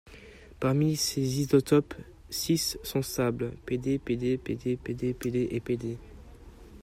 Parmi ces isotopes, six sont stables, Pd, Pd, Pd, Pd, Pd et Pd.